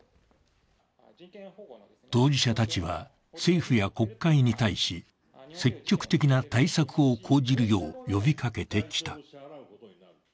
当事者たちは、政府や国会に対し積極的な対策を講じるよう呼びかけてきた。